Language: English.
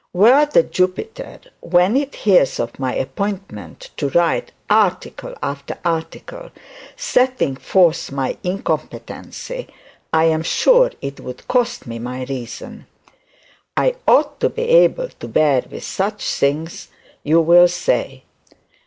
Were the Jupiter, when it hears of my appointment, to write article after article, setting forth my incompetency, I am sure it would cost me my reason. I ought to be able to bear with such things, you will say.